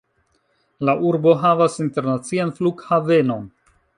La urbo havas internacian flughavenon.